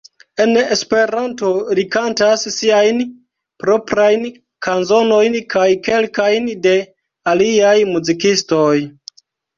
En Esperanto li kantas siajn proprajn kanzonojn kaj kelkajn de aliaj muzikistoj.